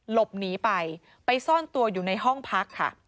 หลบหนีไปไปซ่อนตัวอยู่ในห้องพักค่ะ